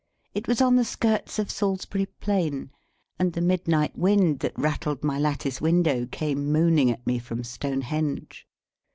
It was on the skirts of Salisbury Plain, and the midnight wind that rattled my lattice window came moaning at me from Stonehenge.